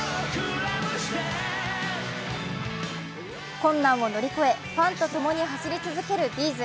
困難を乗り越えファンを共に走り続けるＢ’ｚ。